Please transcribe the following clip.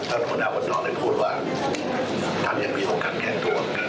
ท่านคุณอาจารย์วันน้อยได้พูดว่าท่านยังมีโอกาสแข็งตัว